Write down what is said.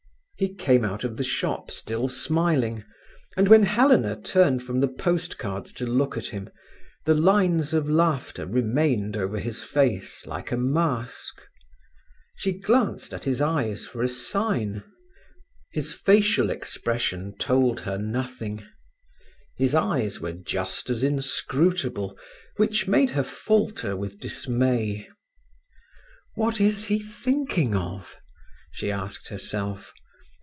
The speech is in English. He came out of the shop still smiling, and when Helena turned from the postcards to look at him, the lines of laughter remained over his face like a mask. She glanced at his eyes for a sign; his facial expression told her nothing; his eyes were just as inscrutable, which made her falter with dismay. "What is he thinking of?" she asked herself.